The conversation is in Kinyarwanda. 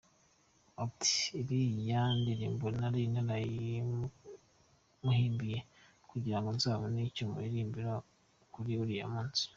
Ati “Iriya ndirimbo nari narayimuhimbiye kugira ngo nzabone icyo muririmbira kuri uriya munsi.